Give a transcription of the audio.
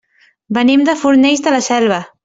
Venim de Fornells de la Selva.